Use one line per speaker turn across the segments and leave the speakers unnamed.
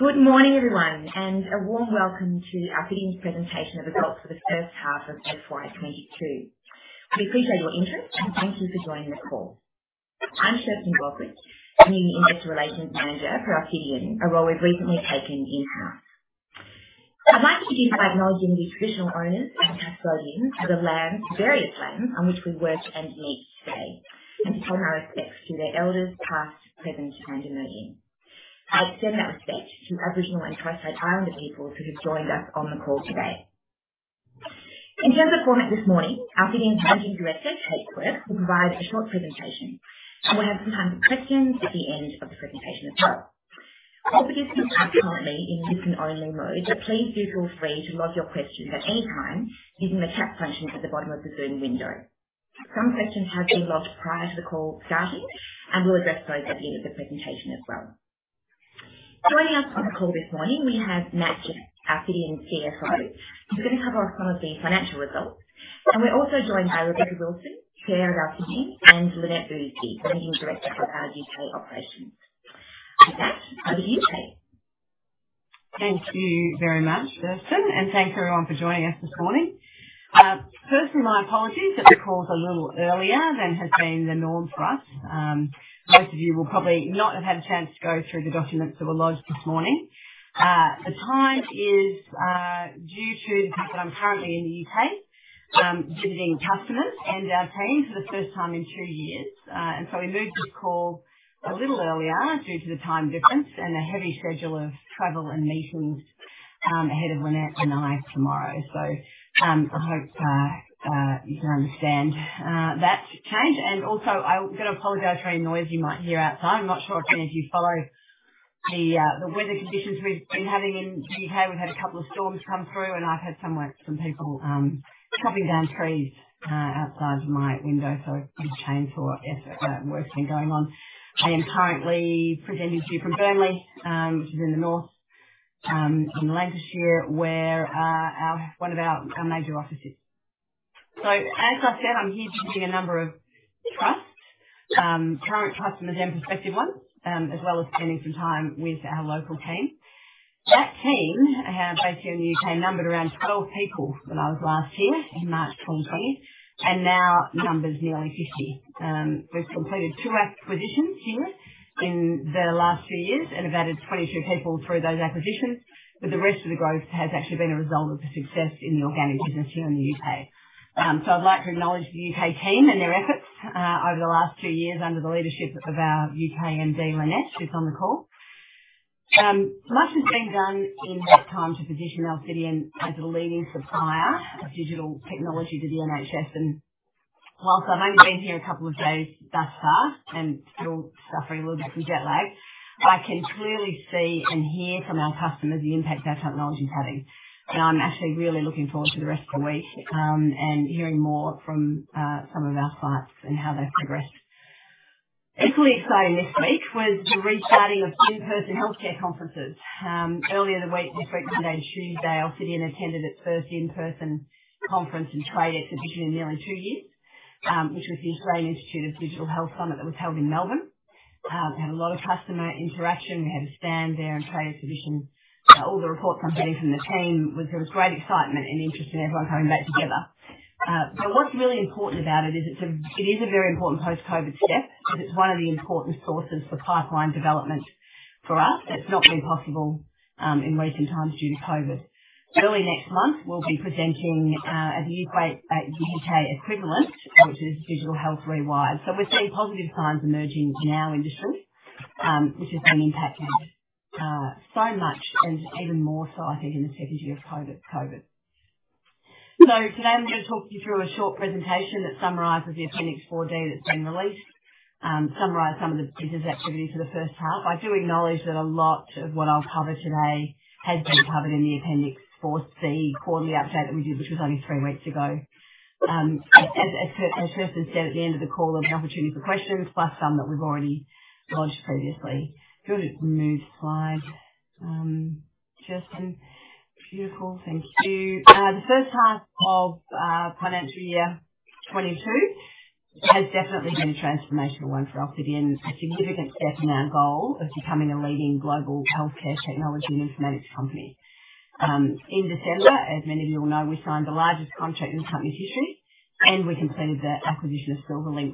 Good morning, everyone, and a warm welcome to our beginning presentation of results for the H1 of FY 2022. We appreciate your interest, and thank you for joining this call. I'm Kirsten Baldock, new Investor Relations Manager for Alcidion, a role we've recently taken in-house. I'd like to begin by acknowledging the traditional owners and custodians of the land, various lands on which we work and meet today, and to pay my respects to their elders, past, present, and emerging. I extend that respect to Aboriginal and Torres Strait Islander peoples who have joined us on the call today. In terms of format this morning, Alcidion's Managing Director, Kate Quirke, will provide a short presentation, and we'll have some time for questions at the end of the presentation as well. I'll begin the call currently in listen-only mode, but please do feel free to log your questions at any time using the chat function at the bottom of the Zoom window. Some questions have been logged prior to the call starting, and we'll address those at the end of the presentation as well. Joining us on the call this morning, we have Matt Gepp, Alcidion's CFO. He's gonna cover some of the financial results. We're also joined by Rebecca Wilson, CEO of Alcidion, and Lynette Booysen, Managing Director for our U.K. operations. With that, over to you, Kate.
Thank you very much, Kirsten, and thanks, everyone, for joining us this morning. First of all, my apologies that the call is a little earlier than has been the norm for us. Most of you will probably not have had a chance to go through the documents that were lodged this morning. The time is due to the fact that I'm currently in the U.K., visiting customers and our team for the first time in two years. We moved this call a little earlier due to the time difference and a heavy schedule of travel and meetings ahead of Lynette and I tomorrow. I hope you can understand that change. I've got to apologize for any noise you might hear outside. I'm not sure if any of you follow the weather conditions we've been having in the U.K. We've had a couple of storms come through, and I've had some people chopping down trees outside my window. A big chainsaw effort, work's been going on. I am currently presenting to you from Burnley, which is in the north, in Lancashire, where one of our major offices is. As I said, I'm here visiting a number of trusts, current customers and prospective ones, as well as spending some time with our local team. That team, our base here in the U.K., numbered around 12 people when I was last here in March 2020, and now numbers nearly 50. We've completed two acquisitions here in the last few years and have added 22 people through those acquisitions, but the rest of the growth has actually been a result of the success in the organic business here in the U.K.. So I'd like to acknowledge the UK team and their efforts over the last two years under the leadership of our U.K. MD, Lynette, who's on the call. Much has been done in that time to position Alcidion as a leading supplier of digital technology to the NHS. While I've only been here a couple of days thus far and still suffering a little bit from jet lag, I can clearly see and hear from our customers the impact our technology is having. I'm actually really looking forward to the rest of the week, and hearing more from some of our clients and how they've progressed. Equally exciting this week was the restarting of in-person healthcare conferences. Earlier in the week, in fact, Monday and Tuesday, Alcidion attended its first in-person conference and trade exhibition in nearly two years, which was the Australasian Institute of Digital Health Summit that was held in Melbourne. Had a lot of customer interaction. We had a stand there and trade exhibition. All the reports I'm getting from the team was there was great excitement and interest in everyone coming back together. What's really important about it is it is a very important post-COVID step because it is one of the important sources for pipeline development for us. That's not been possible in recent times due to COVID. Early next month, we'll be presenting at the U.K. equivalent, which is Digital Health Rewired. We're seeing positive signs emerging in our industry, which has been impacted so much and even more so, I think, in the second year of COVID. Today I'm gonna talk you through a short presentation that summarizes the Appendix 4D that's been released, summarize some of the business activity for the H1. I do acknowledge that a lot of what I'll cover today has been covered in the Appendix 4C quarterly update that we did, which was only three weeks ago. As Kirsten said, at the end of the call, there'll be opportunity for questions, plus some that we've already lodged previously. If you want to move slide, Kirsten. Beautiful. Thank you. The H1 of FY 2022 has definitely been a transformational one for Alcidion, a significant step in our goal of becoming a leading global healthcare technology informatics company. In December, as many of you will know, we signed the largest contract in the company's history, and we completed the acquisition of Silverlink,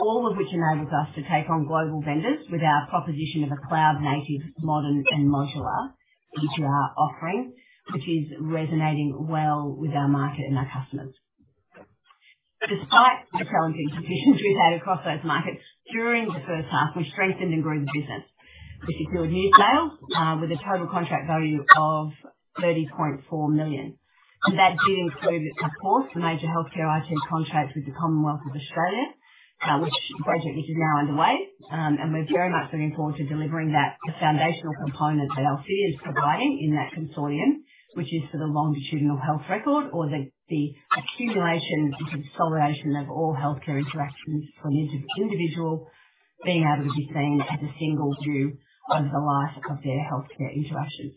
all of which enables us to take on global vendors with our proposition of a cloud-native, modern, and modular EHR offering, which is resonating well with our market and our customers. Despite the challenging conditions we've had across those markets during the H1, we strengthened and grew the business. This included New South Wales with a total contract value of AUD 30.4 million. That did include, of course, the major healthcare IT contracts with the Commonwealth of Australia, which project is now underway. We're very much looking forward to delivering that foundational component that Alcidion is providing in that consortium, which is for the longitudinal health record or the accumulation and consolidation of all healthcare interactions for an individual being able to be seen as a single view over the life of their healthcare interactions.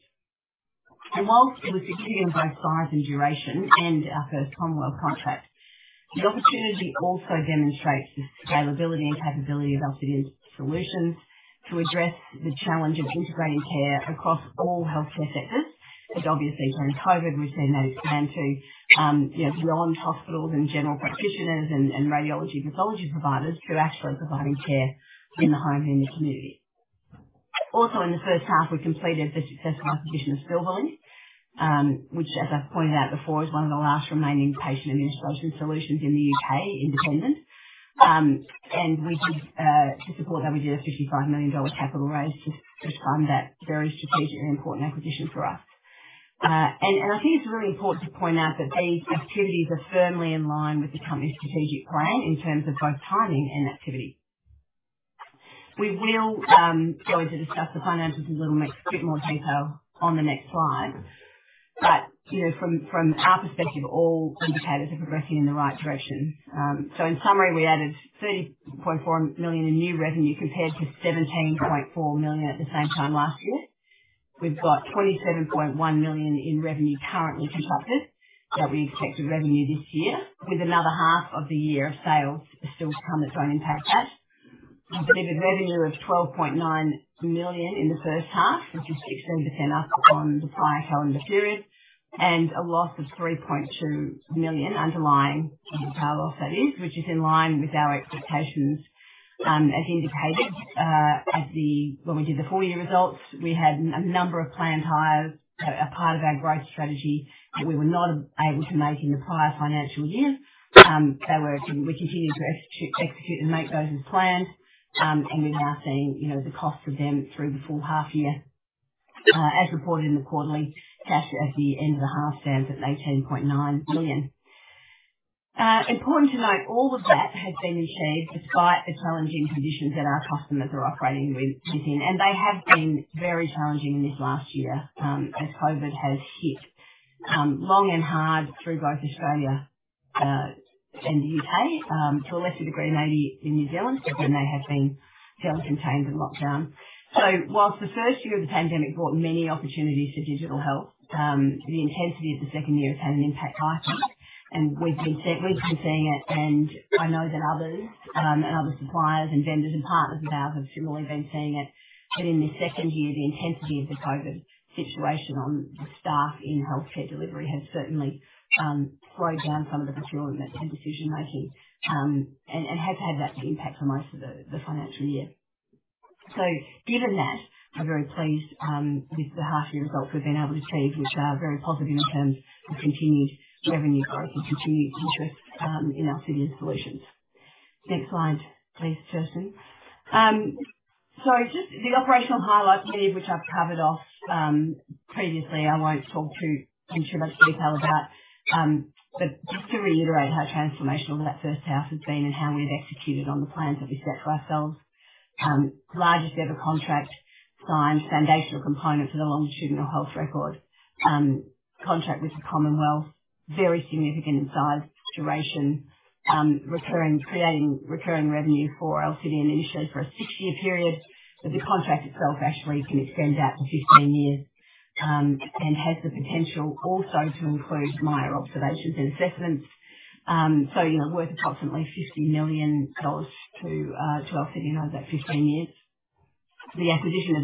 While it was significant in both size and duration and our first Commonwealth contract, the opportunity also demonstrates the scalability and capability of our Alcidion solutions to address the challenge of integrating care across all healthcare sectors, which obviously during COVID, we've seen those expand to, you know, beyond hospitals and general practitioners and radiology and pathology providers to actually providing care in the home and in the community. Also in the H1, we completed the successful acquisition of Silverlink, which as I've pointed out before, is one of the last remaining patient administration solutions in the U.K., independent. And to support that, we did a 55 million capital raise to fund that very strategic and important acquisition for us. And I think it's really important to point out that these activities are firmly in line with the company's strategic plan in terms of both timing and activity. We will go on to discuss the finances in a little bit more detail on the next slide. You know, from our perspective, all indicators are progressing in the right direction. In summary, we added 30.4 million in new revenue compared to 17.4 million at the same time last year. We've got 27.1 million in revenue currently contracted that we expect to revenue this year, with another half of the year of sales still to come that's going to impact that. We've delivered revenue of 12.9 million in the H1, which is 16% up on the prior calendar period, and a loss of 3.2 million underlying EBITDA loss, that is, which is in line with our expectations. As indicated, when we did the full year results, we had a number of planned hires as part of our growth strategy that we were not able to make in the prior financial year. We continued to execute and make those as planned, and we're now seeing, you know, the cost of them through the full half year. As reported in the quarterly, cash at the end of the half stands at 18.9 million. Important to note, all of that has been achieved despite the challenging conditions that our customers are operating within, and they have been very challenging in this last year, as COVID has hit long and hard through both Australia and the U.K., to a lesser degree maybe in New Zealand, but when they have been fairly contained and locked down. While the first year of the pandemic brought many opportunities for digital health, the intensity of the second year has had an impact higher, and we've been seeing it, and I know that others and other suppliers and vendors and partners of ours have similarly been seeing it. In this second year, the intensity of the COVID situation on the staff in healthcare delivery has certainly slowed down some of the procurement and decision-making, and has had that impact for most of the financial year. Given that, we're very pleased with the half year results we've been able to achieve, which are very positive in terms of continued revenue growth and continued interest in our Alcidion solutions. Next slide, please, Kirsten. Just the operational highlights here, which I've covered off previously, I won't talk too much in detail about. Just to reiterate how transformational that H1 has been and how we've executed on the plans that we set for ourselves. Largest ever contract signed, foundational component for the longitudinal health record, contract with the Commonwealth, very significant in size, duration, creating recurring revenue for Alcidion initially for a six-year period. The contract itself actually can extend out to 15 years, and has the potential also to include Miya Observations and Assessments. You know, worth approximately 50 million dollars to Alcidion over that 15 years. The acquisition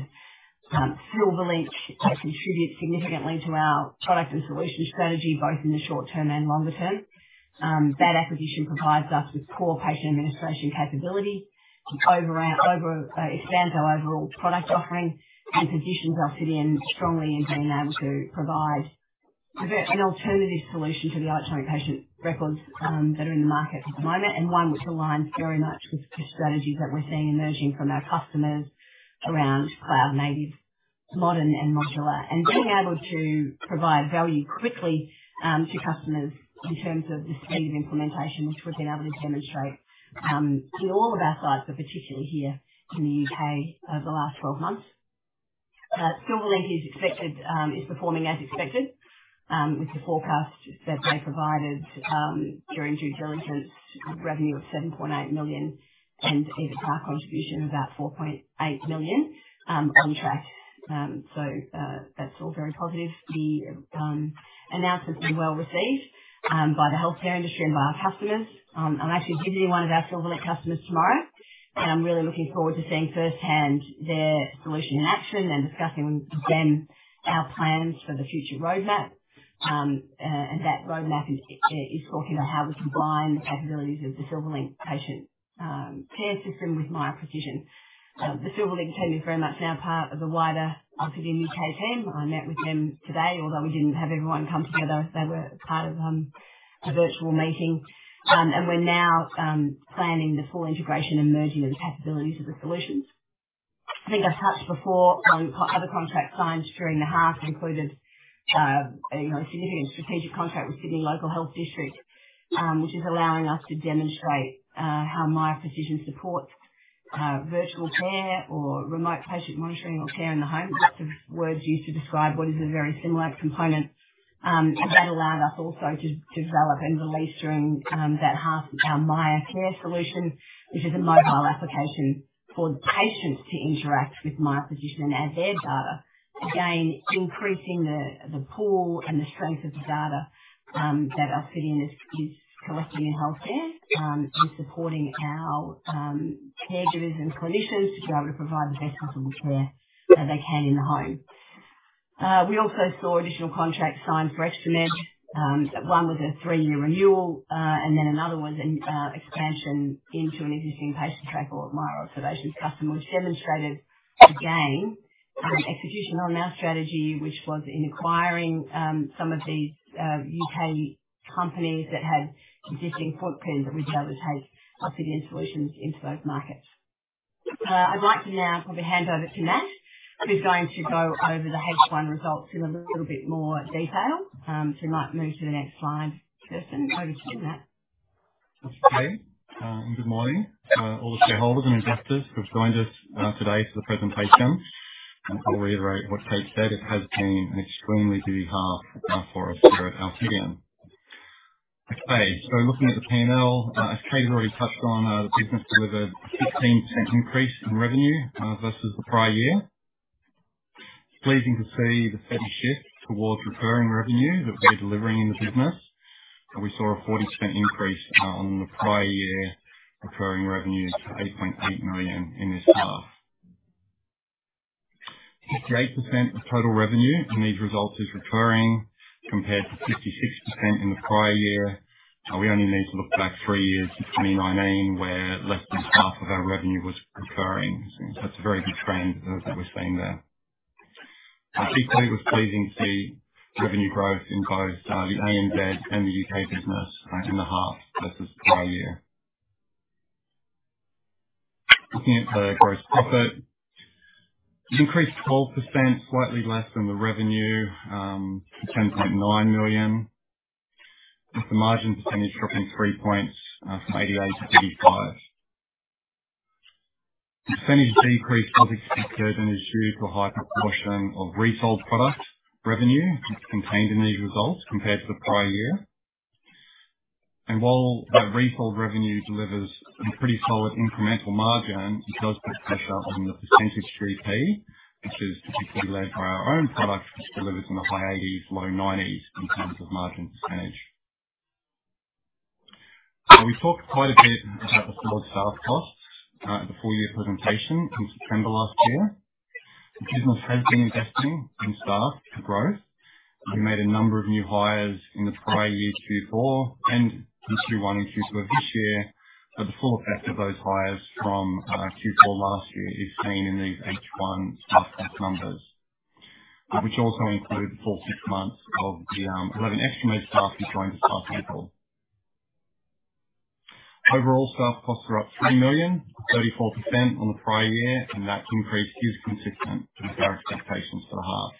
of Silverlink has contributed significantly to our product and solution strategy, both in the short term and longer term. That acquisition provides us with core patient administration capability to expand our overall product offering and positions us strongly in being able to provide an alternative solution to the electronic patient records that are in the market at the moment, and one which aligns very much with the strategies that we're seeing emerging from our customers around cloud native, modern and modular. Being able to provide value quickly to customers in terms of the speed of implementation, which we've been able to demonstrate in all of our sites, but particularly here in the U.K. over the last 12 months. Silverlink is performing as expected with the forecast that they provided during due diligence, revenue of 7.8 million and EBITDA contribution of about 4.8 million on track. That's all very positive. The announcement's been well received by the healthcare industry and by our customers. I'm actually visiting one of our Silverlink customers tomorrow, and I'm really looking forward to seeing firsthand their solution in action and discussing with them our plans for the future roadmap. That roadmap is talking about how we combine the capabilities of the Silverlink patient care system with Miya Precision. The Silverlink team is very much now part of the wider Alcidion U.K. team. I met with them today, although we didn't have everyone come together. They were part of a virtual meeting. We're now planning the full integration and merging of the capabilities of the solutions. I think I've touched before on other contracts signed during the half, including, you know, a significant strategic contract with Sydney Local Health District, which is allowing us to demonstrate how Miya Precision supports virtual care or remote patient monitoring or care in the home. Lots of words used to describe what is a very similar component. That allowed us also to develop and release during that half, MyCare solution, which is a mobile application for the patients to interact with their physician and add their data. Again, increasing the pool and the strength of the data that our system is collecting in healthcare, and supporting our caregivers and clinicians to be able to provide the best possible care that they can in the home. We also saw additional contracts signed for ExtraMed. One was a three-year renewal, and then another was an expansion into an existing Patientrack or Miya Observations customer, which demonstrated again execution on our strategy, which was in acquiring some of these U.K. companies that had existing footprints that we'd be able to take our Alcidion solutions into those markets. I'd like to now probably hand over to Matt, who's going to go over the H1 results in a little bit more detail. If you might move to the next slide, Kirsten. Over to you, Matt.
Okay. Good morning, all the shareholders and investors who've joined us today for the presentation. I'll reiterate what Kate said. It has been an extremely busy half for us here at Alcidion. Okay. Looking at the P&L, as Kate already touched on, the business delivered a 16% increase in revenue versus the prior year. Pleasing to see the steady shift towards recurring revenue that we're delivering in the business. We saw a 40% increase on the prior year recurring revenue to 8.8 million in this half. 58% of total revenue in these results is recurring compared to 56% in the prior year. We only need to look back three years to 2019, where less than half of our revenue was recurring. That's a very good trend that we're seeing there. I think it was pleasing to see revenue growth in both the ANZ and the U.K. business in the half versus prior year. Looking at the gross profit, it increased 12%, slightly less than the revenue, to 10.9 million. With the margin percentage dropping three points from 88% to 85%. The percentage decrease was expected and is due to a high proportion of resold product revenue that's contained in these results compared to the prior year. While that resold revenue delivers a pretty solid incremental margin, it does put pressure on the percentage gross margin, which is typically led by our own products, which delivers in the high 80s, low 90s in terms of margin percentage. We talked quite a bit about the solid staff costs at the full year presentation in September last year. The business has been investing in staff for growth. We made a number of new hires in the prior year Q4 and in Q1 and Q2 of this year, but the full effect of those hires from Q4 last year is seen in these H1 staff cost numbers, which also include the full six months of the 11 ExtraMed staff who joined us last April. Overall, staff costs are up 3 million, 34% on the prior year, and that increase is consistent with our expectations for the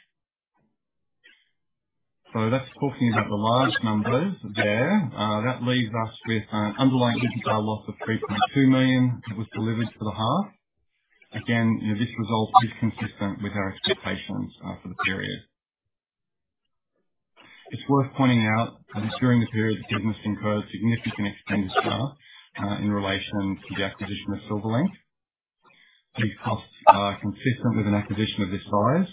half. That's talking about the large numbers there. That leaves us with an underlying EBITDA loss of 3.2 million that was delivered for the half. Again, you know, this result is consistent with our expectations for the period. It's worth pointing out that during the period, the business incurred significant expense costs in relation to the acquisition of Silverlink. These costs are consistent with an acquisition of this size,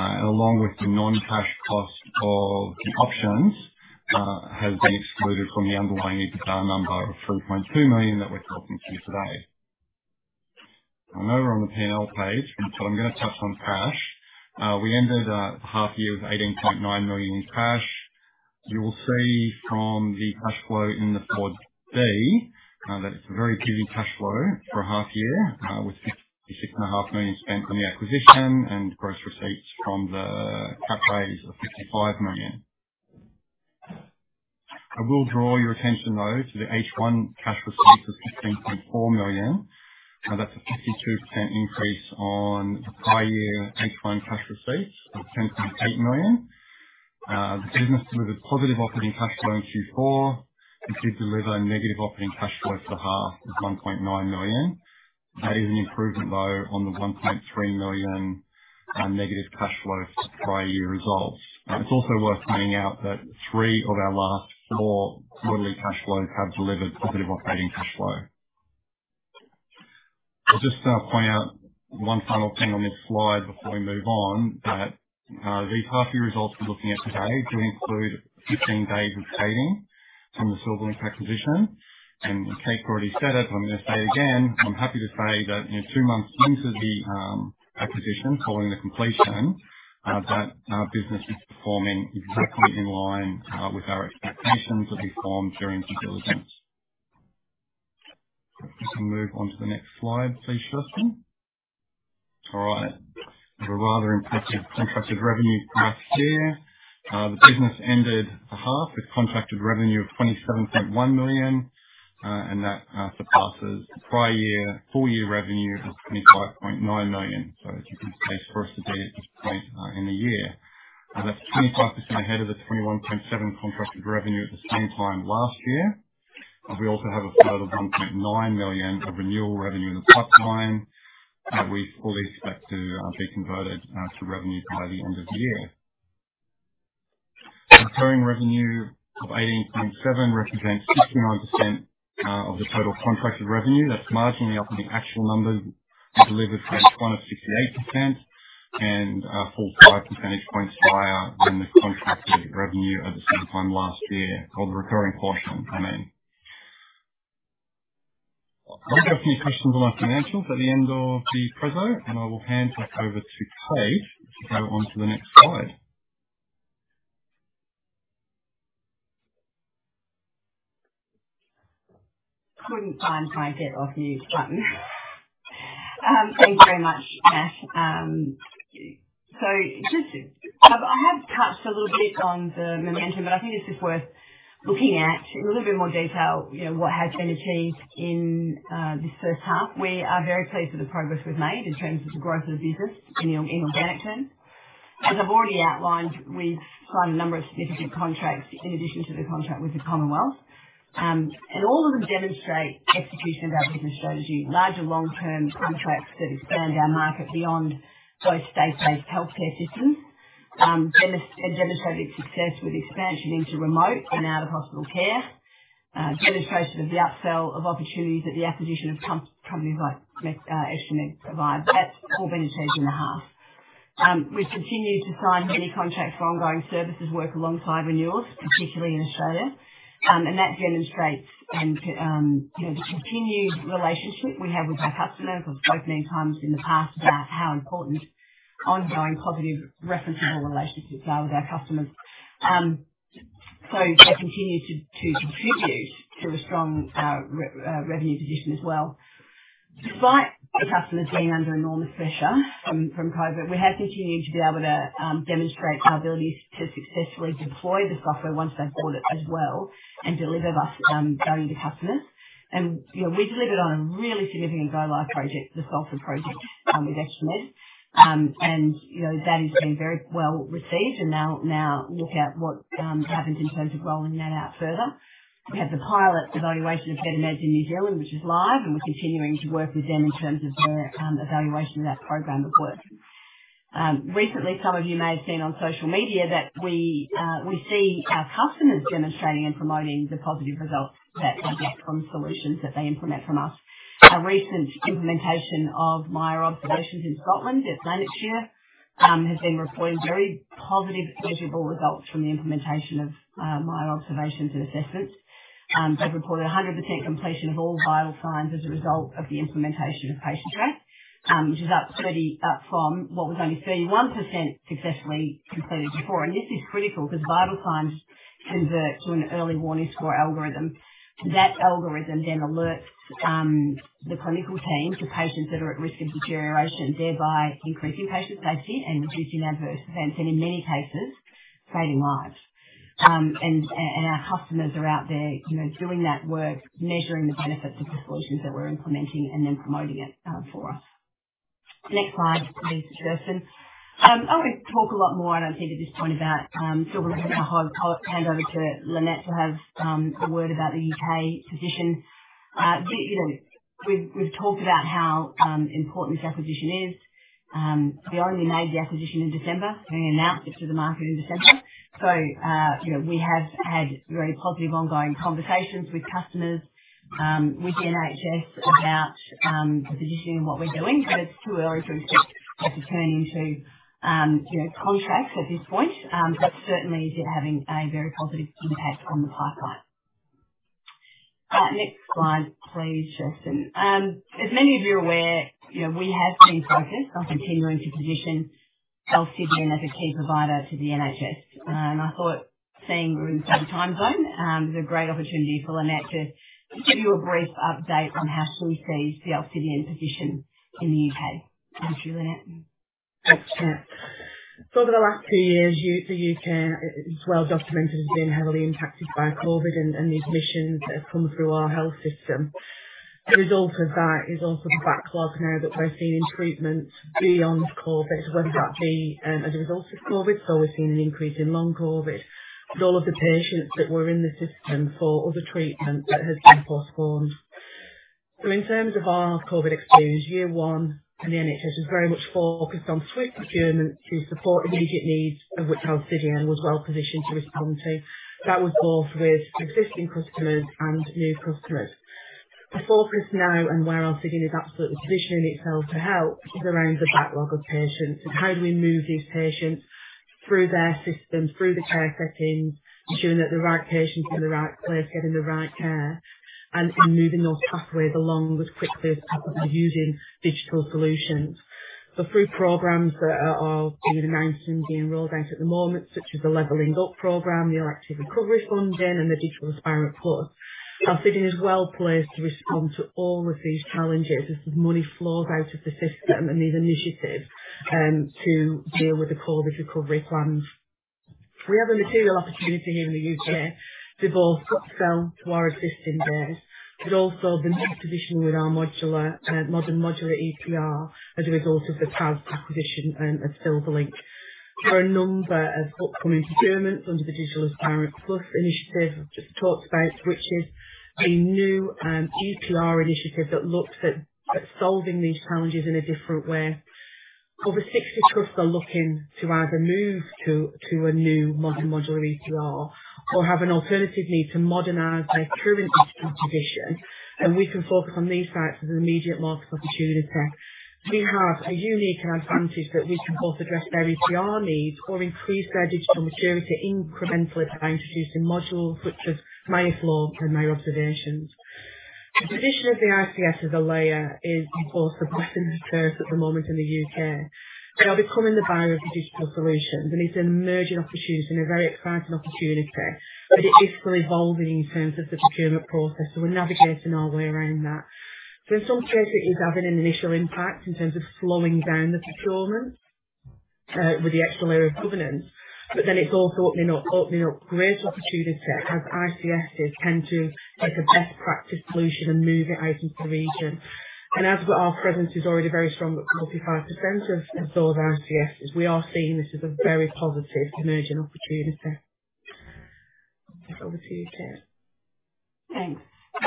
along with the non-cash cost of the options, has been excluded from the underlying EBITDA number of 3.2 million that we're talking to you today. Over on the P&L page, so I'm gonna touch on cash. We ended the half year with 18.9 million in cash. You will see from the cash flow in the Appendix 4B that it's a very busy cash flow for a half year, with 66.5 million spent on the acquisition and gross receipts from the cap raise of 55 million. I will draw your attention though to the H1 cash receipts of 15.4 million. That's a 52% increase on prior year H1 cash receipts of 10.8 million. The business delivered positive operating cash flow in Q4 and did deliver a negative operating cash flow for H1 of 1.9 million. That is an improvement though on the 1.3 million negative cash flow prior year results. It's also worth pointing out that three of our last four quarterly cash flows have delivered positive operating cash flow. I'll just point out one final thing on this slide before we move on, that these half year results we're looking at today do include 15 days of trading from the Silverlink acquisition. Kate already said it, I'm gonna say again, I'm happy to say that, you know, two months into the acquisition following the completion, that our business is performing exactly in line with our expectations that we formed during due diligence. If we can move on to the next slide please, Kirsten. All right. We have a rather impressive contracted revenue graph here. The business ended the half with contracted revenue of 27.1 million, and that surpasses the prior year full year revenue of 25.9 million. So as you can see for us to be at this point in the year. That's 25% ahead of the 21.7 contracted revenue at the same time last year. We also have a total of 1.9 million of renewal revenue in the pipeline. We fully expect to be converted to revenue by the end of the year. Recurring revenue of 18.7 million represents 69% of the total contracted revenue. That's marginally up from the actual numbers we delivered for 2020, 68% and full five percentage points higher than the contracted revenue at the same time last year, or the recurring portion, I mean. We'll have a few questions on our financials at the end of the presentation, and I will hand back over to Kate to go on to the next slide.
Couldn't find my get off mute button. Thank you very much, Matt. Just, I have touched a little bit on the momentum, but I think this is worth looking at in a little bit more detail, you know, what has been achieved in this H1. We are very pleased with the progress we've made in terms of the growth of the business in organic terms. As I've already outlined, we've signed a number of significant contracts in addition to the contract with the Commonwealth. All of them demonstrate execution of our business strategy. Larger long-term contracts that expand our market beyond both state-based healthcare systems demonstrate its success with expansion into remote and out-of-hospital care, demonstrated with the upsell of opportunities that the acquisition of companies like ExtraMed, Silverlink provide. That's all been achieved in the half. We've continued to sign many contracts for ongoing services work alongside renewals, particularly in Australia. That demonstrates you know the continued relationship we have with our customers. I've spoken many times in the past about how important ongoing positive referenceable relationships are with our customers. They continue to contribute to a strong revenue position as well. Despite the customers being under enormous pressure from COVID, we have continued to be able to demonstrate our ability to successfully deploy the software once they've bought it as well and deliver value to customers. You know, we delivered on a really significant go-live project, the Suffolk Project, with Alcidion. You know, that is being very well received, and they'll now look at what happens in terms of rolling that out further. We had the pilot evaluation of Better Meds in New Zealand, which is live, and we're continuing to work with them in terms of the evaluation of that program of work. Recently some of you may have seen on social media that we see our customers demonstrating and promoting the positive results that they get from solutions that they implement from us. A recent implementation of Miya Observations in Scotland at NHS Lanarkshire has been reporting very positive, measurable results from the implementation of Miya Observations and Assessments. They've reported 100% completion of all vital signs as a result of the implementation of Patient Direct, which is up from what was only 31% successfully completed before. This is critical because vital signs convert to an early warning score algorithm. That algorithm then alerts the clinical team to patients that are at risk of deterioration, thereby increasing patient safety and reducing adverse events and in many cases, saving lives. Our customers are out there, you know, doing that work, measuring the benefits of the solutions that we're implementing and then promoting it for us. Next slide please, Kirsten. I want to talk a lot more, and I think at this point about Silverlink and I'll hand over to Lynette to have a word about the U.K. position. We, you know, we've talked about how important this acquisition is. We only made the acquisition in December, made an announcement to the market in December. You know, we have had very positive ongoing conversations with customers with the NHS about the positioning and what we're doing, but it's too early to expect that to turn into you know contracts at this point. Certainly is having a very positive impact on the pipeline. Next slide, please, Kirsten. As many of you are aware, you know, we have been focused on continuing to position Alcidion as a key provider to the NHS. I thought since we're in the same time zone was a great opportunity for Lynette to just give you a brief update on how she sees the Alcidion position in the U.K.. Over to you, Lynette.
Thanks, Kate. Over the last two years, the U.K., it's well documented as being heavily impacted by COVID and the admissions that have come through our health system. The result of that is also the backlog now that we're seeing in treatments beyond COVID, whether that be as a result of COVID, we're seeing an increase in long COVID, and all of the patients that were in the system for other treatments that have been postponed. In terms of our COVID exposure, year one in the NHS was very much focused on swift procurement to support immediate needs, of which Alcidion was well positioned to respond to. That was both with existing customers and new customers. The focus now and where Alcidion is absolutely positioning itself to help is around the backlog of patients. How do we move these patients through their systems, through the care settings, ensuring that the right patients are in the right place, getting the right care, and moving those pathways along as quickly as possible using digital solutions. Through programs that are being announced and being rolled out at the moment, such as the Levelling Up Fund, the Elective Recovery Fund and the Digital Aspirant, Alcidion is well placed to respond to all of these challenges as the money flows out of the system and these initiatives to deal with the COVID recovery plans. We have a material opportunity here in the U.K. to both upsell to our existing base, but also the new positioning with our modular, modern modular EPR as a result of the PAS acquisition of Silverlink. There are a number of upcoming procurements under the Digital Aspirant Plus initiative I've just talked about, which is a new, EPR initiative that looks at solving these challenges in a different way. Over 60 trusts are looking to either move to a new multi-modular EPR or have an alternative need to modernize their current EPR position, and we can focus on these sites as an immediate market opportunity. We have a unique advantage that we can both address their EPR needs or increase their digital maturity incrementally by introducing modules, which is Miya Flow and Miya Observations. The position of the ICS as a layer is, of course, a recent occurrence at the moment in the U.K. They are becoming the buyer of the digital solutions, and it's an emerging opportunity and a very exciting opportunity, but it is still evolving in terms of the procurement process, so we're navigating our way around that. In some cases, it is having an initial impact in terms of slowing down the procurement with the extra layer of governance, but then it's also opening up great opportunity as ICSs tend to take a best practice solution and move it out into the region. As our presence is already very strong with 45% of those ICSs, we are seeing this as a very positive emerging opportunity. Back over to you, Kate.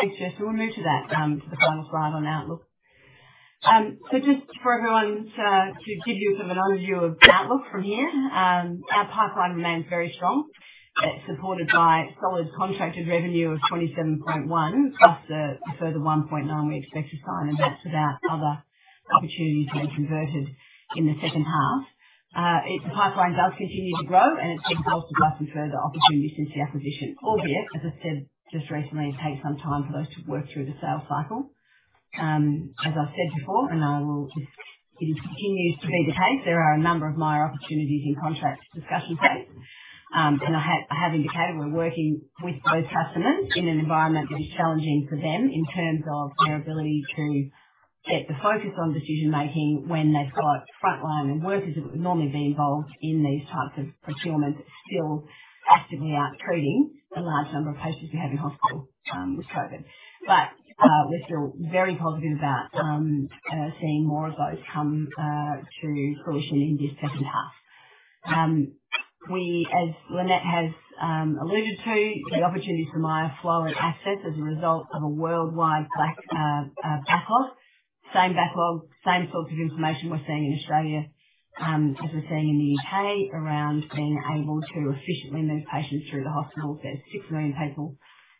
Thanks. Thanks Kirsten. We'll move to that, to the final slide on outlook. Just for everyone to give you sort of an overview of the outlook from here, our pipeline remains very strong. It's supported by solid contracted revenue of 27.1, plus a further 1.9 we expect to sign, and that's without other opportunities being converted in the H2. Its pipeline does continue to grow, and it's been bolstered by some further opportunities since the acquisition. Albeit, as I said, just recently, it takes some time for those to work through the sales cycle. As I've said before, it will just continue to be the case, there are a number of minor opportunities in contract discussion phase. I have indicated we're working with those customers in an environment that is challenging for them in terms of their ability to get the focus on decision-making when they've got frontline workers that would normally be involved in these types of procurements still actively out treating the large number of patients we have in hospital with COVID. We're still very positive about seeing more of those come to fruition in this H2. We, as Lynette has alluded to, the opportunity for Miya Flow and Access as a result of a worldwide backlog. Same backlog, same sorts of information we're seeing in Australia as we're seeing in the U.K. around being able to efficiently move patients through the hospital. There's six million people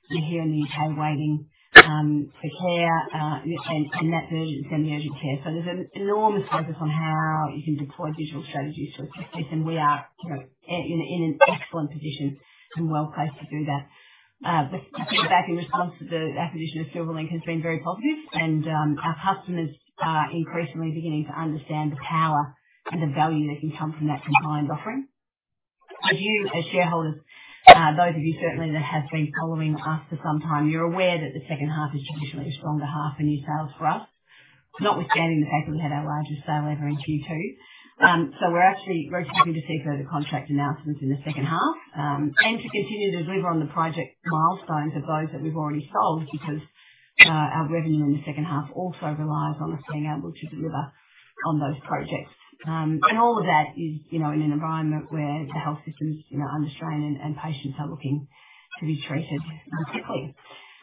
here in the U.K. waiting for care, and that version is semi-urgent care. There's an enormous focus on how you can deploy digital strategies to address this, and we are, you know, in an excellent position and well-placed to do that. The feedback in response to the acquisition of Silverlink has been very positive and our customers are increasingly beginning to understand the power and the value that can come from that combined offering. As you, as shareholders, those of you certainly that have been following us for some time, you're aware that the H2 is traditionally a stronger half for new sales for us, notwithstanding the fact that we had our largest sale ever in Q2. We're actually very happy to see further contract announcements in the H2, and to continue to deliver on the project milestones of those that we've already sold because our revenue in the H2 also relies on us being able to deliver on those projects. All of that is, you know, in an environment where the health system is, you know, under strain and patients are looking to be treated quickly.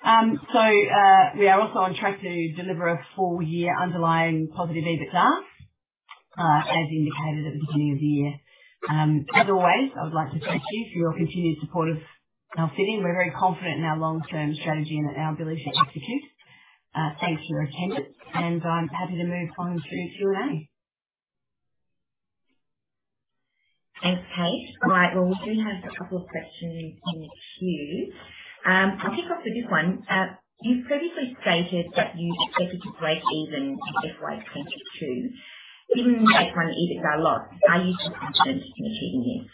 We are also on track to deliver a full year underlying positive EBITDA, as indicated at the beginning of the year. As always, I would like to thank you for your continued support of Alcidion. We're very confident in our long-term strategy and our ability to execute. Thank you for your attendance, and I'm happy to move on to Q&A.
Thanks, Kate. Right. Well, we do have a couple of questions in the queue. I'll kick off with this one. You've previously stated that you expected to break even in FY 2022, even make one EBITDA loss. Are you still confident in achieving this?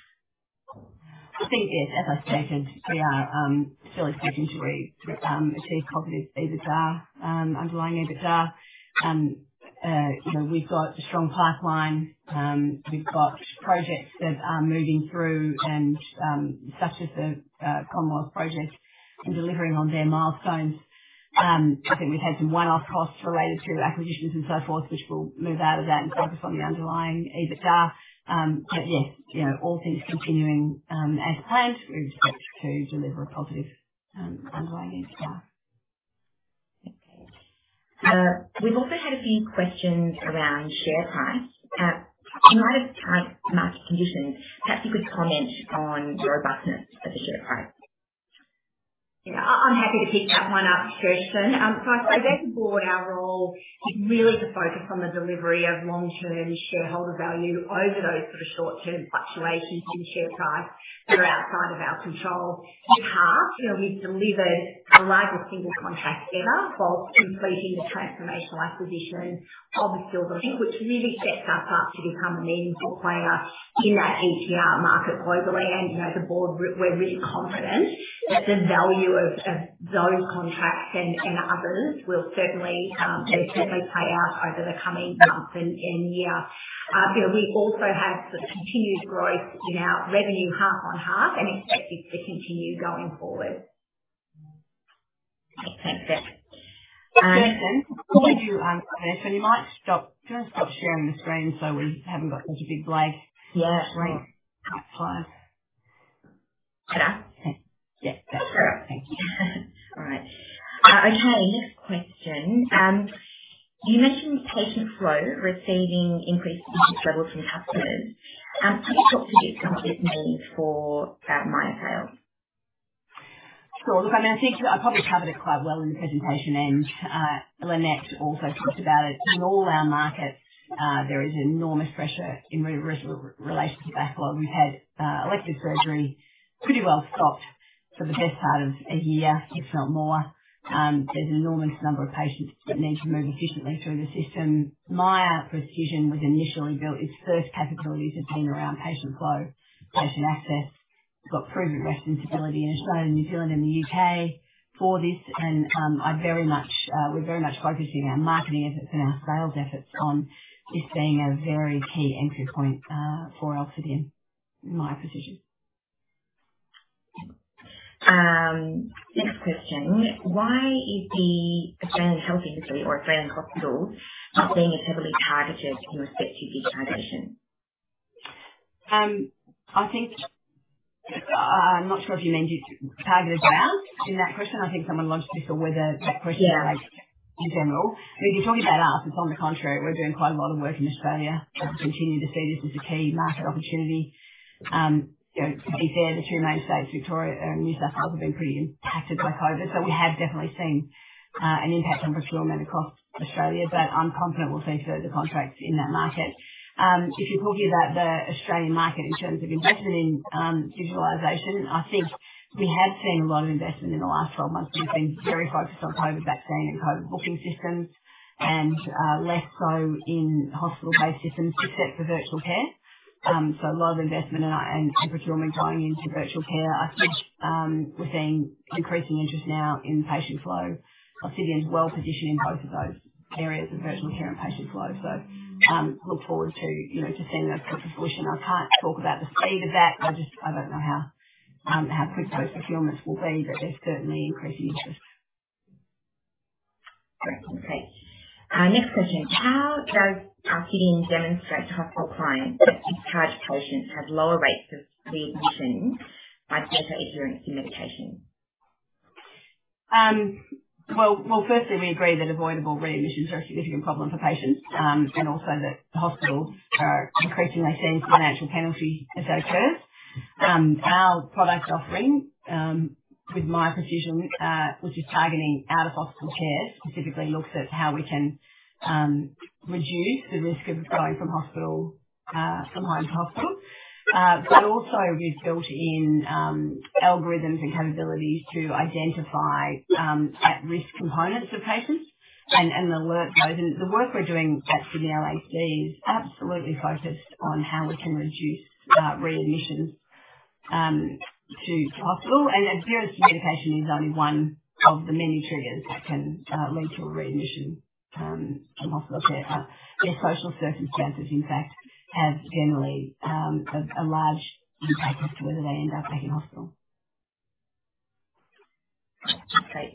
I think, yes, as I stated, we are still expecting to achieve positive EBITDA, underlying EBITDA. You know, we've got a strong pipeline. We've got projects that are moving through and such as the Commonwealth project and delivering on their milestones. I think we've had some one-off costs related to acquisitions and so forth, which we'll move out of that and focus on the underlying EBITDA. Yes, you know, all things continuing as planned, we expect to deliver a positive underlying EBITDA.
Thanks, Kate. We've also had a few questions around share price. In light of current market conditions, perhaps you could comment on the robustness of the share price.
Yeah. I'm happy to pick that one up, Kirsten. So I say as a board our role is really to focus on the delivery of long-term shareholder value over those sort of short-term fluctuations in share price that are outside of our control. To date, you know, we've delivered our largest single contract ever while completing the transformational acquisition of Silverlink, which really sets us up to become a meaningful player in that EPR market globally. You know, the board we're really confident that the value of those contracts and others will certainly pay out over the coming months and year. You know, we also have the continued growth in our revenue half on half and expect this to continue going forward.
Thanks. Yeah. Before we do go there, you might just stop sharing the screen, so we haven't got such a big blank.
Yeah, right.
That's fine. Ta-da.
Yes. That's better.
Thank you. All right. Okay, next question. You mentioned patient flow receiving increased interest levels from customers. Can you talk through what this means for Miya Precision?
Sure. Look, I mean, I think I probably covered it quite well in the presentation, and Lynette also talked about it. In all our markets, there is enormous pressure in relation to backlog. We've had elective surgery pretty well stopped for the best part of a year, if not more. There's an enormous number of patients that need to move efficiently through the system. Miya Precision was initially built, its first capabilities have been around patient flow, patient access. It's got proven resiliency in Australia, New Zealand, and the U.K. for this. We're very much focusing our marketing efforts and our sales efforts on this being a very key entry point for Alcidion in Miya Precision.
Next question. Why is the Australian health industry or Australian hospitals not being as heavily targeted in respect to digitization?
I think I'm not sure if you mean targeted by us in that question. I think someone lodged it or whether that question
Yeah.
In general. I mean, if you're talking about us, it's on the contrary. We're doing quite a lot of work in Australia. We continue to see this as a key market opportunity. You know, to be fair, the two main states, Victoria and New South Wales, have been pretty impacted by COVID. So we have definitely seen an impact on procurement across Australia, but I'm confident we'll see further contracts in that market. If you're talking about the Australian market in terms of investment in digitalization, I think we have seen a lot of investment in the last 12 months. We've been very focused on COVID vaccine and COVID booking systems and less so in hospital-based systems, except for virtual care. So a lot of investment and procurement going into virtual care. I think we're seeing increasing interest now in patient flow. Alcidion is well-positioned in both of those areas of virtual care and patient flow. I look forward to, you know, to seeing those come to fruition. I can't talk about the speed of that. I just, I don't know how quick those procurements will be, but there's certainly increasing interest.
Great. Okay. Next question. How does Alcidion demonstrate to hospital clients that discharged patients have lower rates of readmissions by better adherence to medication?
Firstly, we agree that avoidable readmissions are a significant problem for patients, and also that the hospitals are increasingly seeing financial penalty as they occur. Our product offering, with Miya Precision, which is targeting out-of-hospital care, specifically looks at how we can reduce the risk of going from home to hospital, but also we've built in algorithms and capabilities to identify at-risk components for patients and alert those. The work we're doing at Sydney LHD is absolutely focused on how we can reduce readmissions to hospital. Adherence to medication is only one of the many triggers that can lead to a readmission from hospital care. Social circumstances, in fact, have generally a large impact as to whether they end up back in hospital.
Okay.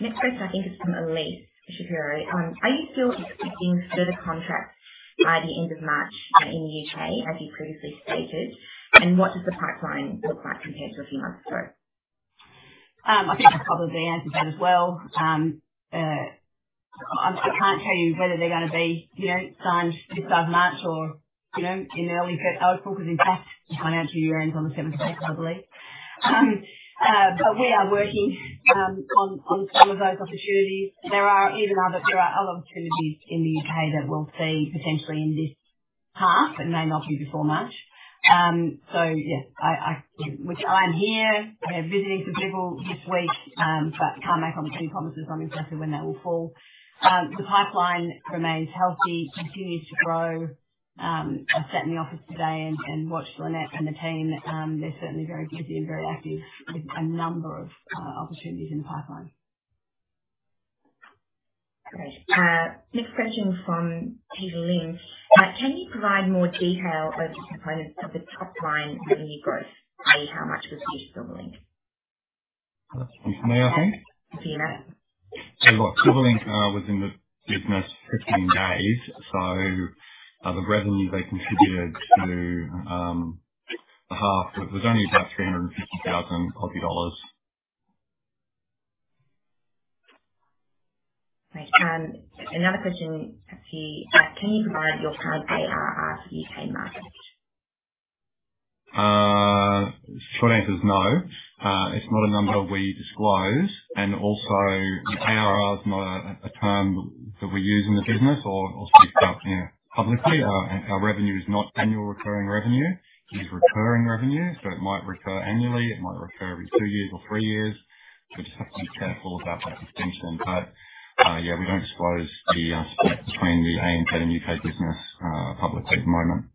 Next question, I think is from Elyse Shapiro. Are you still expecting further contracts by the end of March in the U.K., as you previously stated? And what does the pipeline look like compared to a few months ago?
I think I probably answered that as well. I can't tell you whether they're gonna be, you know, signed this side of March or, you know, in early April, 'cause in fact, the financial year ends on the seventh of April, I believe. We are working on some of those opportunities. There are other opportunities in the U.K. that we'll see potentially in this half, but may not be before March. Yeah, while I am here, we are visiting some people this week, can't make any promises on exactly when that will fall. The pipeline remains healthy, continues to grow. I sat in the office today and watched Lynette and the team. They're certainly very busy and very active with a number of opportunities in the pipeline.
Great. Next question from Peter Lim. Can you provide more detail of the components of the top line revenue growth? I.e., how much was this Silverlink?
That's me, I think.
To you, Matt.
Look, Silverlink was in the business 15 days. The revenue they contributed to the half was only about 350,000 Aussie dollars.
Right. Another question for you. Can you provide your current ARR for U.K. market?
Short answer is no. It's not a number we disclose. Also, ARR is not a term that we use in the business or speak about, you know, publicly. Our revenue is not annual recurring revenue. It is recurring revenue, so it might recur annually, it might recur every two years or three years. We just have to be careful about that distinction. Yeah, we don't disclose the split between the ANZ and U.K. business publicly at the moment.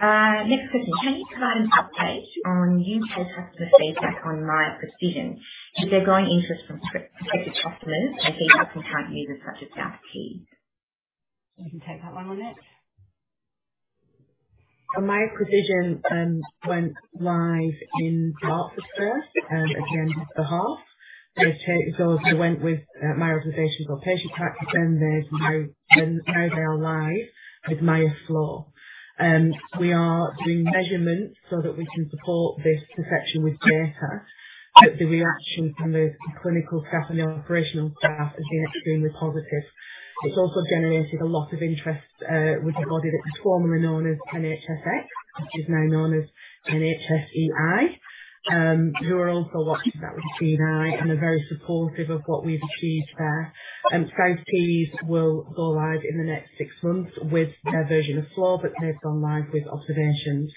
Next question. Can you provide an update on user customer feedback on Miya Precision? Is there growing interest from prospective customers and key system partners such as SAP?
You can take that one, Lynette.
Miya Precision went live in August 1 at the end of the half. It's also went with Miya Observations or Patientrack, then now they are live with Miya Flow. We are doing measurements so that we can support this perception with data. The reaction from the clinical staff and the operational staff has been extremely positive. It's also generated a lot of interest with the body that was formerly known as NHSX, which is now known as NHSEI, who are also watching that with keen eye and are very supportive of what we've achieved there. South Tees will go live in the next six months with their version of Miya Flow, but they've gone live with Miya Observations.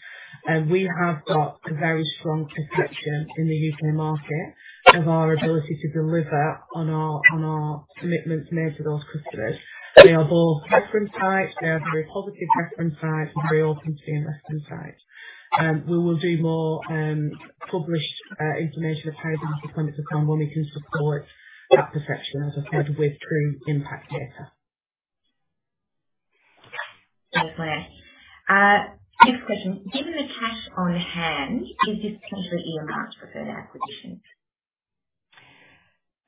We have got a very strong perception in the U.K. market of our ability to deliver on our commitments made to those customers. They are both reference sites. They are very positive reference sites and very open to investing sites. We will do more published information at the time when it's available. We can support that perception, as I said, with true impact data.
Thanks, Claire. Next question. Given the cash on hand, is this the time that you're earmarked for further acquisition?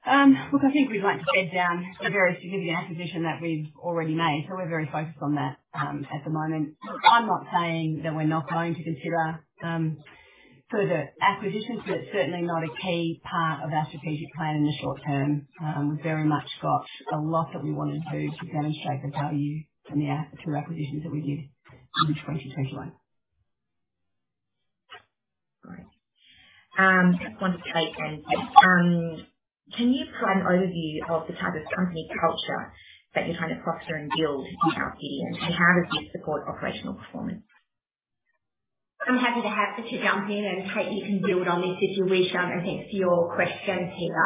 Look, I think we'd like to bed down the very significant acquisition that we've already made. We're very focused on that at the moment. I'm not saying that we're not going to consider further acquisitions, but it's certainly not a key part of our strategic plan in the short term. We've very much got a lot that we want to do to demonstrate the value from the two acquisitions that we did in 2021.
Great. Can you provide an overview of the type of company culture that you're trying to foster and build in Alcidion, and how does this support operational performance?
I'm happy to have to jump in, and Kate, you can build on this if you wish. Thanks for your question, Tina.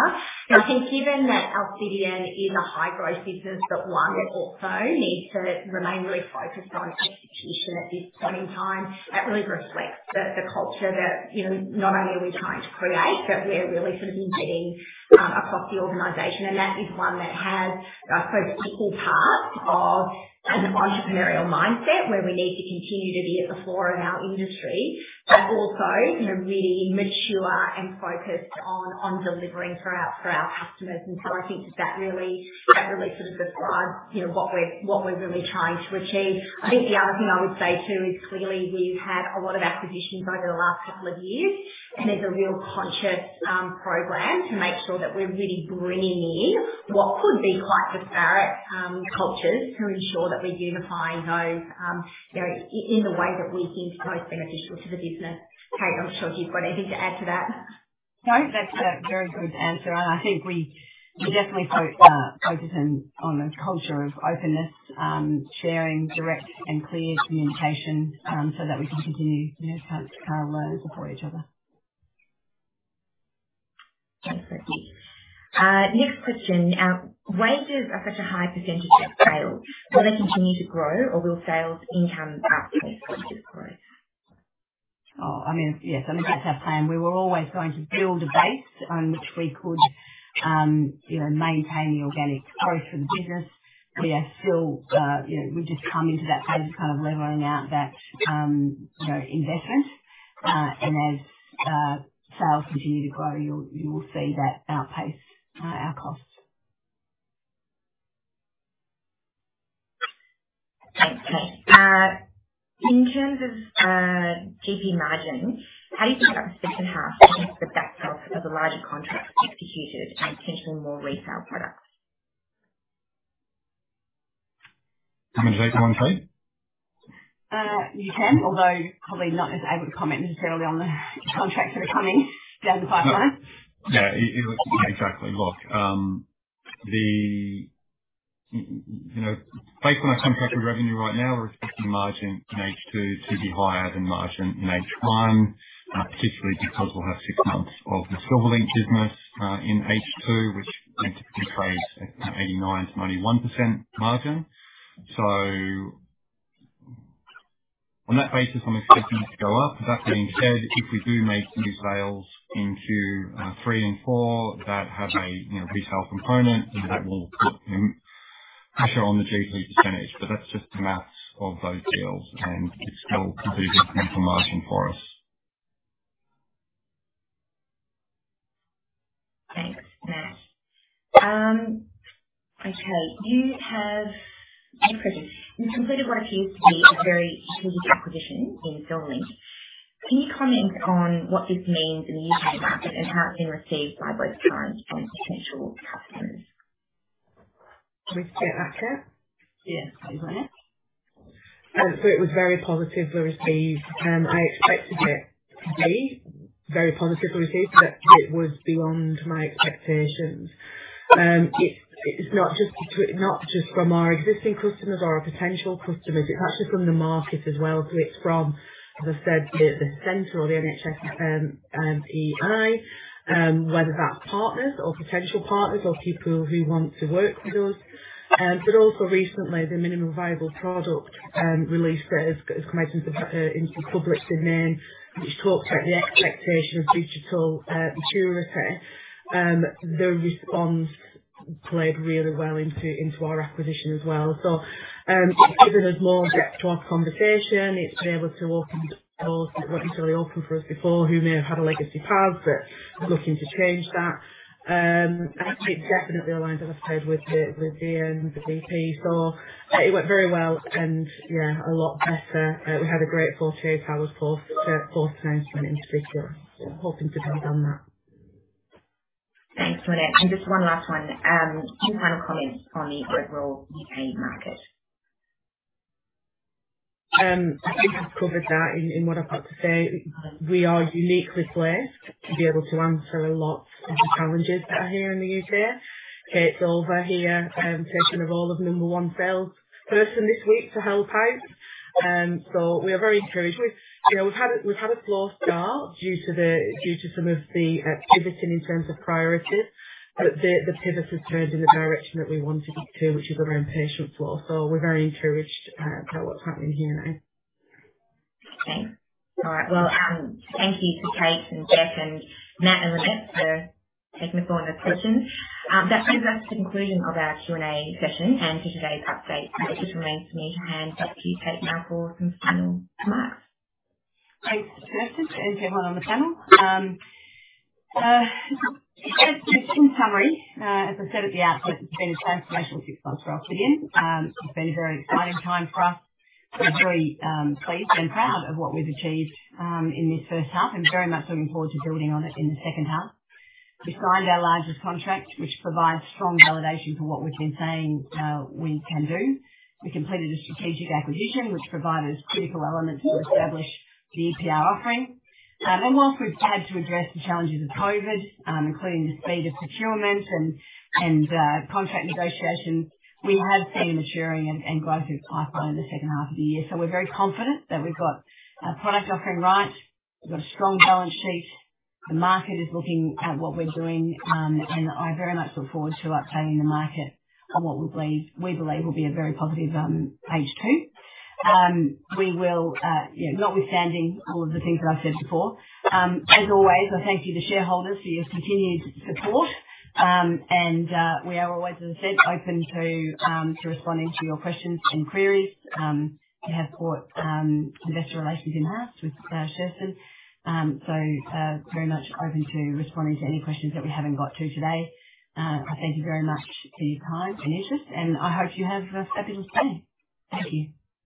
I think given that Alcidion is a high-growth business, but one that also needs to remain really focused on execution at this point in time, that really reflects the culture that, you know, not only are we trying to create, but we're really sort of embedding across the organization. That is one that has, I suppose, equal parts of an entrepreneurial mindset where we need to continue to be at the fore in our industry, but also, you know, really mature and focused on delivering for our customers. I think that really sort of describes, you know, what we're really trying to achieve. I think the other thing I would say, too, is clearly we've had a lot of acquisitions over the last couple of years, and there's a real conscious program to make sure that we're really bringing in what could be quite disparate cultures to ensure that we're unifying those very in the way that we think is most beneficial to the business. Kate, I'm not sure if you've got anything to add to that.
No, that's a very good answer. I think we definitely focus in on the culture of openness, sharing direct and clear communication, so that we can continue, you know, to kind of learn from each other.
Thanks, Kate. Next question. Wages are such a high percentage of sales. Will they continue to grow, or will sales income outpace wages growth?
Oh, I mean, yes, I think that's our plan. We were always going to build a base on which we could, you know, maintain the organic growth for the business. We are still, you know, we've just come into that phase of kind of leveling out that, you know, investment. As sales continue to grow, you will see that outpace our costs.
Thanks, Kate. In terms of GP margin, how do you think that will sit in H1 against the H2 of the larger contracts executed and potentially more resale products?
Can I take that one, Kate?
You can, although probably not as able to comment necessarily on the contracts that are coming down the pipeline.
Yeah, it looks exactly like you know, based on our contractual revenue right now, we're expecting margin in H2 to be higher than margin in H1, particularly because we'll have six months of the Silverlink business in H2, which typically trades at 89%-91% margin. On that basis, I'm expecting it to go up. That being said, if we do make new sales into three and four that have a you know, retail component, then that will put pressure on the GP percentage. That's just the math of those deals, and it's still a good potential margin for us.
Thanks, Matt. You've completed what appears to be a very strategic acquisition in Silverlink. Can you comment on what this means in the U.K. market and how it's been received by both clients and potential customers?
With Silverlink?
Yes, please.
It was very positively received. I expected it to be very positively received, but it was beyond my expectations. It's not just from our existing customers or our potential customers, it's actually from the market as well. It's from, as I said, the center or the NHS EI, whether that's partners or potential partners or people who want to work with us. Also recently, the minimum viable product release that has come out into the public domain, which talks about the expectation of digital maturity. Their response played really well into our acquisition as well. It's given us more depth to our conversation. It's been able to open doors that weren't necessarily open for us before who may have had a legacy path but looking to change that. I think it definitely aligns, as I said, with the MVP. It went very well and yeah, a lot better. We had a great fourth quarter, of course, fourth time for an industry tour, hoping to build on that.
Thanks, Lynette. Just one last one. Do you have comments on the overall U.K. market?
I think I've covered that in what I've got to say. We are uniquely placed to be able to answer a lot of the challenges that are here in the U.K. Kate's over here, taking the role of number one sales person this week to help out. We are very encouraged. You know, we've had a slow start due to some of the pivoting in terms of priorities, but the pivot has turned in the direction that we wanted it to, which is around patient flow. We're very encouraged by what's happening here now.
Okay. All right. Well, thank you to Kate and Jack and Matt and Lynette for taking a lot of the questions. That brings us to the conclusion of our Q&A session and to today's update. It just remains for me to hand back to you, Kate, now for some final remarks.
Thanks, Kirsten, and everyone on the panel. Just in summary, as I said at the outset, it's been a transformational six months for Alcidion. It's been a very exciting time for us. We're very pleased and proud of what we've achieved in this H1 and very much looking forward to building on it in the H2. We signed our largest contract, which provides strong validation for what we've been saying we can do. We completed a strategic acquisition which provided critical elements to establish the EPR offering. While we've had to address the challenges of COVID, including the speed of procurement and contract negotiations, we have seen maturing and growth in the pipeline in the H2 of the year. We're very confident that we've got our product offering right. We've got a strong balance sheet. The market is looking at what we're doing. I very much look forward to updating the market on what we believe will be a very positive H2. We will, notwithstanding all of the things that I've said before, as always, I thank you, the shareholders, for your continued support. We are always, as I said, open to responding to your questions and queries. We have got investor relations in-house with Kirsten. Very much open to responding to any questions that we haven't got to today. I thank you very much for your time and interest, and I hope you have a fabulous day. Thank you.